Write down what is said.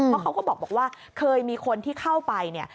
เพราะเขาก็บอกว่าเคยมีคนที่เข้าไปเนี่ย